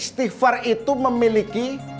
istighfar itu memiliki